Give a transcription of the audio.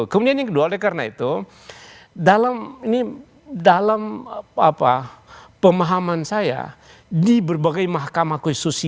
kemudian yang kedua oleh karena itu dalam pemahaman saya di berbagai mahkamah konstitusi